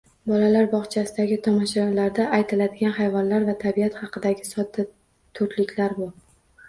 Bolalar bog‘chasidagi tomoshalarda aytiladigan hayvonlar va tabiat haqidagi sodda to‘rtliklar – bu